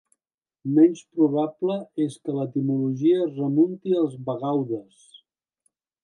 Menys probable és que l'etimologia es remunti als bagaudes.